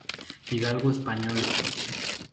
Hidalgo español.